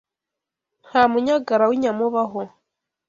Nta munyagara w'inyama ubaho